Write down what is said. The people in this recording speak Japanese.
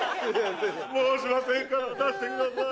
もうしませんから出してください。